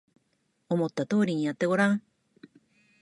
思った通りにやってごらん